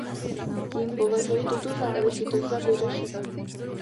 Tím považuji tuto záležitost za vyřešenou.